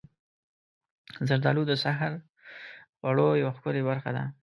زردالو د سحر خوړو یوه ښکلې برخه ده.